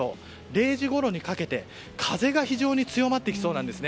０時ごろにかけて風が非常に強まってきそうです。